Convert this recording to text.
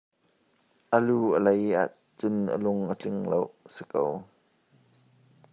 A lu a lei ahcun a lung a tling lo ti nak a si ko.